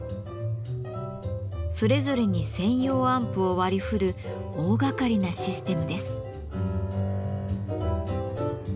それぞれに専用アンプを割り振る大がかりなシステムです。